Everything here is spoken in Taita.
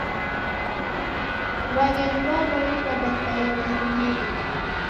W'aghenyi w'a loli w'adakaia na irumirio.